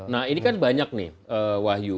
nah ini kan banyak nih wahyu